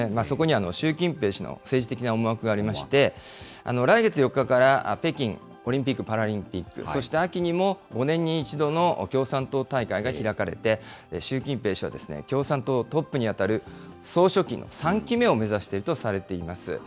そこには習近平氏の政治的な思惑がありまして、来月４日から北京オリンピック・パラリンピック、そして秋にも、５年に一度の共産党大会が開かれて、習近平氏は、共産党トップに当たる総書記の３期目を目指しているとされています。